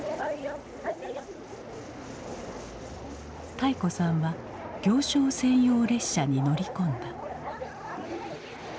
泰子さんは行商専用列車に乗り込んだ。